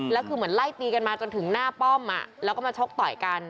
แล้วคือเหมือนไล่ตีกันมาจนถึงหน้าป้อมแล้วก็มาชกต่อยกัน